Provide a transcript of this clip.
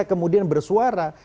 bisa kemudian bersuara